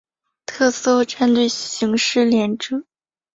特搜战队刑事连者。